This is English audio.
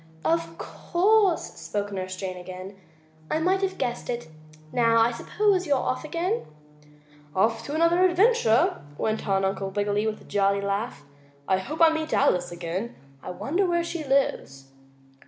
"Of course," spoke Nurse Jane again, "I might have guessed it. Now I suppose you're off again?" "Off to have another adventure," went on Uncle Wiggily, with a jolly laugh. "I hope I meet Alice again. I wonder where she lives?"